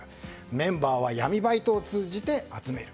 メンバーは闇バイトを通じて集める。